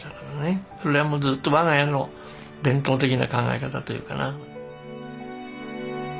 それはもうずっと我が家の伝統的な考え方というかな。